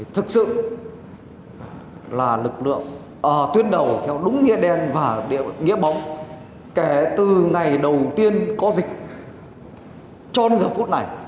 thực sự là lực lượng tuyến đầu theo đúng nghĩa đen và nghĩa bóng kể từ ngày đầu tiên có dịch cho đến giờ phút này